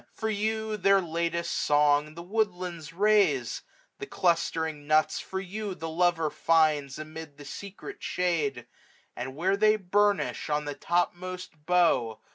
For you their latest song The woodlands raise ; the clustering nuts for you The lover finds amid the secret shade ; 615 And, where they burnish on the topmost bough.